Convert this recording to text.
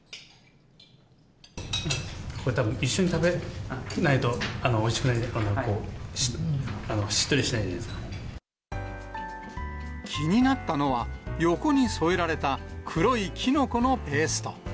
これたぶん、一緒に食べないとおいしくないですかね、しっとりしないじゃない気になったのは、横に添えられた黒いきのこのペースト。